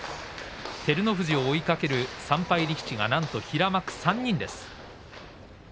照ノ富士を追いかける３敗力士がなんと平幕３人です。